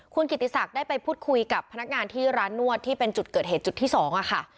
คุณกิติศักดิ์ได้ไปพูดคุยกับพนักงานที่ร้านนวดที่เป็นจุดเกิดเหตุจุดที่๒ค่ะ